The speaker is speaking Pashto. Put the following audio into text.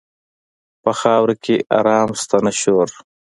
په خاوره کې آرام شته، نه شور.